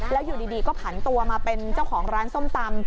แล้วอยู่ดีก็ผันตัวมาเป็นเจ้าของร้านส้มตำ